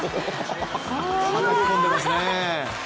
たたき込んでますね。